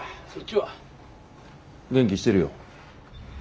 元気してるよ。